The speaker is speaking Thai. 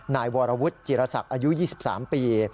นายวรวุฒิจิรษักอายุ๒๓ปี